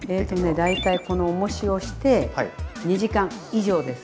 大体このおもしをして２時間以上です。